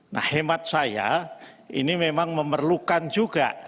nah hemat saya ini memang memerlukan juga